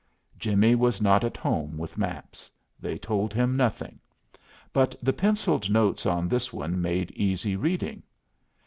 Jimmie was not at home with maps. They told him nothing. But the penciled notes on this one made easy reading.